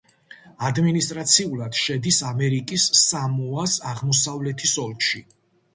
ადმინისტრაციულად შედის ამერიკის სამოას აღმოსავლეთის ოლქში.